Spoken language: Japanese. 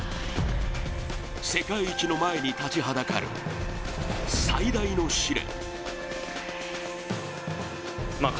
世界一の前に立ちはだかる最大の試練。